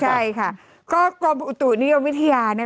ใช่ค่ะก็กรมอุตุนิยมวิทยา